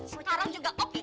sekarang juga oke eh